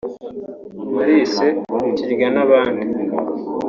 Maurice Kirya n’abandi